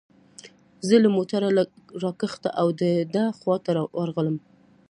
زه له موټره را کښته او د ده خواته ورغلم.